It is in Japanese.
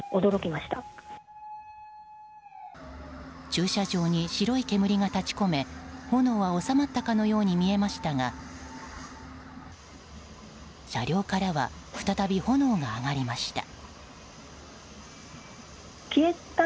駐車場に白い煙が立ち込め炎は収まったかのように見えましたが車両からは再び炎が上がりました。